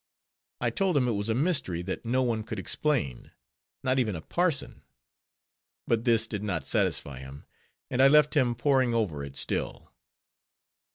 I told him it was a mystery that no one could explain; not even a parson. But this did not satisfy him, and I left him poring over it still.